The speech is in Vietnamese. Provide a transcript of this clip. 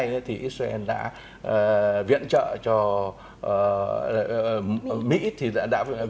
đến nay thì israel đã viện trợ cho mỹ là một cơ bản thân niệm